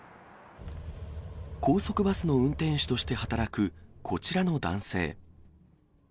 高速バスの運転手として働く、こちらの男性。